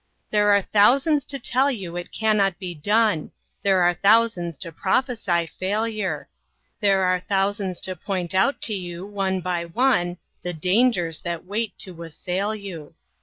There are thousands to tell you it cannot be done, There are thousands to prophesy failure; There are thousands to point out to you one by one, The dangers that wait to assail you.